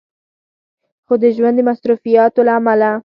خو د ژوند د مصروفياتو له عمله